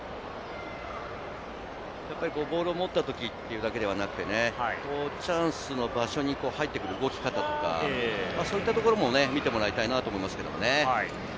ボールを持ったときではなくて、チャンスの場所に入ってくる動き方とか、そういったところも見てもらいたいなと思います。